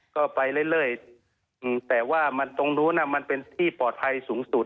ก็ไปเรื่อยแต่ว่ามันตรงนู้นมันเป็นที่ปลอดภัยสูงสุด